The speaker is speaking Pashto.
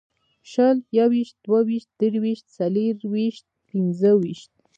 شل یوویشت دوهویشت درویشت څلېرویشت پنځهویشت